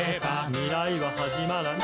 「未来ははじまらない」